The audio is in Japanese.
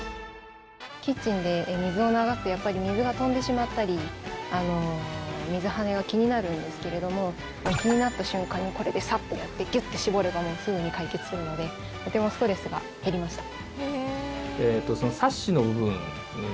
キッチンで水を流すとやっぱり水が飛んでしまったり水跳ねが気になるんですけれども気になった瞬間にこれでサッとやってギュッて絞ればすぐに解決するのでとてもストレスが減りました。